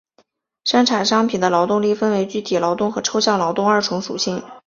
生产商品的劳动分为具体劳动和抽象劳动二重属性。